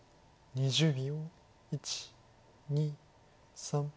２０秒。